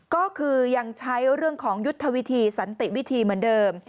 ก็คือยังใช้เรื่องของยุทธวิธีสันติวิธีเหมือนเดิม